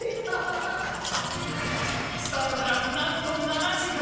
スタートからなんと７時間！